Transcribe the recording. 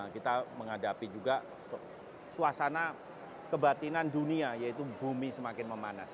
kita menghadapi juga suasana kebatinan dunia yaitu bumi semakin memanas